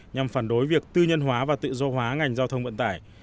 nhằm phản đối việc tư nhân hóa và tự do hóa ngành giao thông vận tải